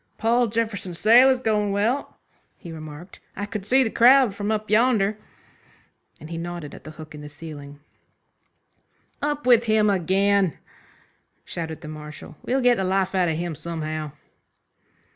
"Paul Jefferson's sale is goin' well," he remarked, "I could see the crowd from up yonder," and he nodded at the hook in the ceiling. "Up with him again!" shouted the Marshal, "we'll get the life out of him somehow."